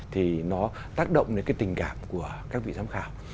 thì nó tác động đến cái tình cảm của các vị giám khảo